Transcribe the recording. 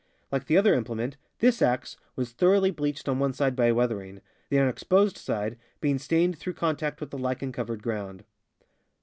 Like the other imple ment, this ax was thoroughly bleached on one side by weather ing, the unexposed side being stained through contact with the lichen covered ground.